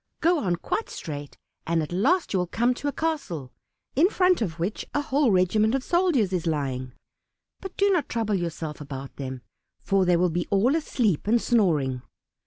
Go on quite straight, and at last you will come to a castle, in front of which a whole regiment of soldiers is lying, but do not trouble yourself about them, for they will all be asleep and snoring.